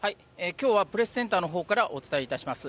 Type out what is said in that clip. きょうはプレスセンターのほうからお伝えいたします。